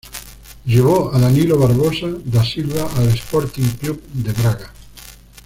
Llevó a Danilo Barbosa da Silva al Sporting Clube de Braga.